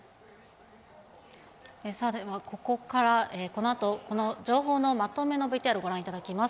ではここから、このあと、この情報のまとめのＶＴＲ、ご覧いただきます。